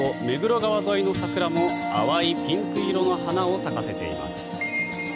目黒川沿いの桜も淡いピンク色の花を咲かせています。